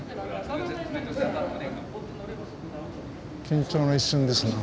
緊張の一瞬ですな